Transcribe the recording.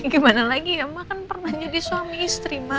ya gimana lagi ya ma kan pernah jadi suami istri ma